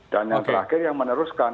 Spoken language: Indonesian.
dan yang terakhir yang meneruskan